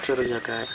disuruh jaga adik